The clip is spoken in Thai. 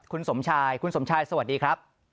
คุณสมชายสวัสดีครับ